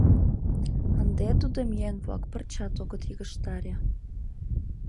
Ынде тудым еҥ-влак пырчат огыт йыгыжтаре.